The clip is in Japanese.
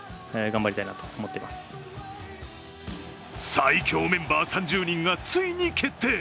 最強メンバー３０人がついに決定。